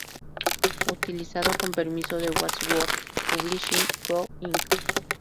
Utilizado con permiso de Wadsworth Publishing Co., Inc.